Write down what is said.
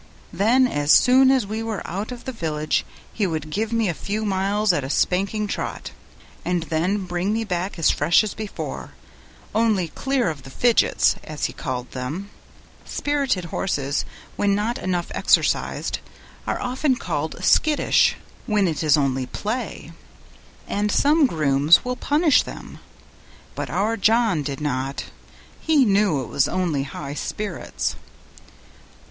Then as soon as we were out of the village, he would give me a few miles at a spanking trot, and then bring me back as fresh as before, only clear of the fidgets, as he called them. Spirited horses, when not enough exercised, are often called skittish, when it is only play; and some grooms will punish them, but our John did not; he knew it was only high spirits.